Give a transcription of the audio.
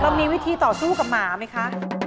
มีวิธีต่อสู้กับหมาไหมคะ